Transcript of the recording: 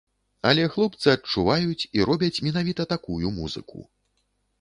Але хлопцы адчуваюць і робяць менавіта такую музыку.